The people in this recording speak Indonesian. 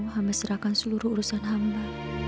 hame serahkan seluruh urusan hamba